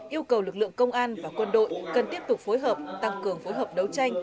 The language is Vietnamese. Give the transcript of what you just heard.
yêu cầu lực lượng công an và quân đội cần tiếp tục phối hợp tăng cường phối hợp đấu tranh